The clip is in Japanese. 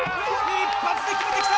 一発で決めてきた！